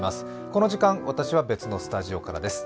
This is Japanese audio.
この時間、私は別のスタジオからです。